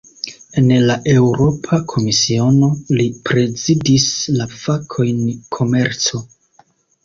En la Eŭropa Komisiono, li prezidis la fakojn "komerco".